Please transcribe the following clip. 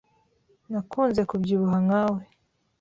Nakunze kubyibuha nkawe.